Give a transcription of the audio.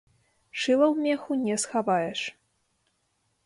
Шыла ў меху не схаваеш.